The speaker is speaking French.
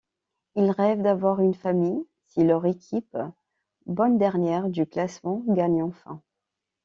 Ils rêvent d'avoir une famille si leur équipe, bonne dernière du classement, gagne enfin.